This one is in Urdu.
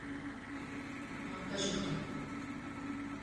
آپ کا شکریہ